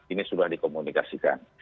ini sudah dikomunikasikan